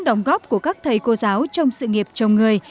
đóng góp của các thầy cô giáo trong sự nghiệp chồng người